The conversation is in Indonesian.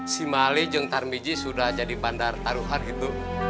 si malijeng tarmi zik sudah jadi bandar taruhan gitu